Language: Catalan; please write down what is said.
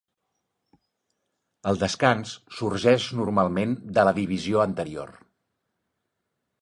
El descans sorgeix normalment de la divisió anterior.